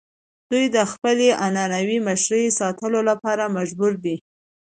دوی د خپلې عنعنوي مشرۍ ساتلو لپاره مجبور دي.